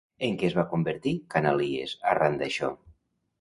En què es va convertir Canalies, arran d'això?